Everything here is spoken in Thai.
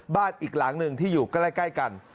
อีกหลังหนึ่งที่อยู่ใกล้กัน